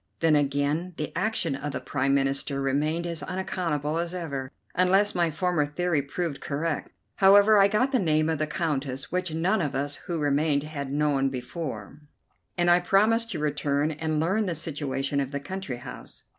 Then, again, the action of the Prime Minister remained as unaccountable as ever, unless my former theory proved correct. However, I got the name of the Countess, which none of us who remained had known before, and I promised to return and learn the situation of the country house.